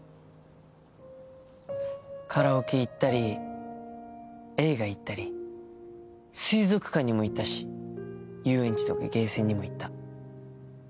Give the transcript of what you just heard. カラオケ行ったり映画行ったり水族館にも行ったし遊園地とかゲーセンにも行った。